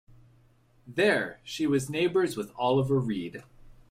There, she was neighbours with Oliver Reed.